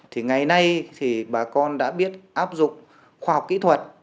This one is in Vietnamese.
thì ngày nay thì bà con đã biết áp dụng khoa học kỹ thuật